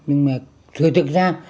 nhưng mà thực ra